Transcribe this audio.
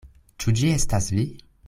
Ĉu ĝi estas vi?